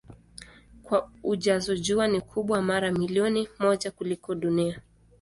Kwa ujazo Jua ni kubwa mara milioni moja kuliko Dunia.